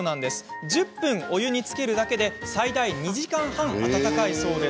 １０分お湯につけるだけで最大２時間半温かいそうです。